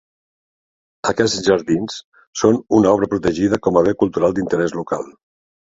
Aquests jardins són una obra protegida com a bé cultural d'interès local.